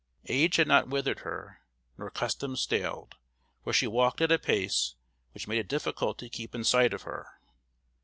Age had not withered her, nor custom staled, for she walked at a pace which made it difficult to keep in sight of her.